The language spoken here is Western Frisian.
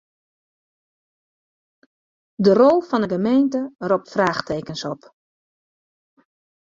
De rol fan 'e gemeente ropt fraachtekens op.